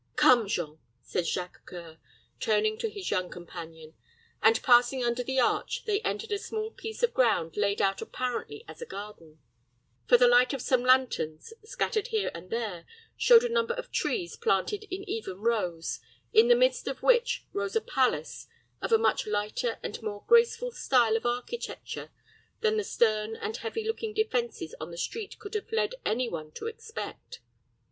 "Come, Jean," said Jacques C[oe]ur, turning to his young companion; and passing under the arch, they entered a small piece of ground laid out apparently as a garden; for the light of some lanterns, scattered here and there, showed a number of trees planted in even rows, in the midst of which rose a palace of a much lighter and more graceful style of architecture than the stern and heavy looking defenses on the street could have led any one to expect.